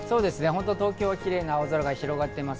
東京はキレイな青空が広がっています。